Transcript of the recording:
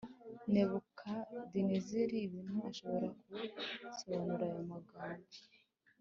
Nebukadinezari ibintu Ashobora kugusobanurira ayo magambo